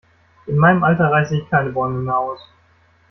In meinem Alter reiße ich keine Bäume mehr aus.